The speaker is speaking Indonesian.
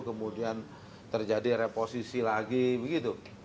kemudian terjadi reposisi lagi begitu